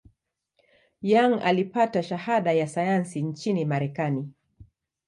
Young alipata shahada ya sayansi nchini Marekani.